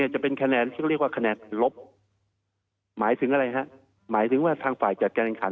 จะเป็นคะแนนซึ่งเรียกว่าคะแนนลบหมายถึงอะไรฮะหมายถึงว่าทางฝ่ายจัดการแข่งขัน